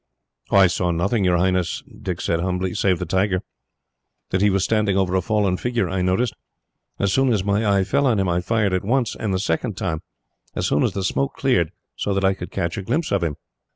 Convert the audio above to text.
"I saw nothing, your Highness," Dick said humbly, "save the tiger. That he was standing over a fallen figure I noticed. As soon as my eye fell on him I fired at once, and the second time as soon as the smoke cleared so that I could catch a glimpse of him."